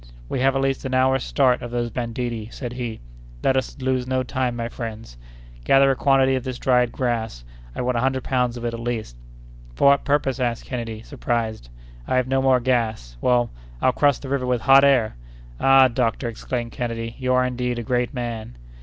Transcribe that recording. "We have at least an hour's start of those banditti," said he; "let us lose no time, my friends; gather a quantity of this dried grass; I want a hundred pounds of it, at least." "For what purpose?" asked Kennedy, surprised. "I have no more gas; well, I'll cross the river with hot air!" "Ah, doctor," exclaimed Kennedy, "you are, indeed, a great man!"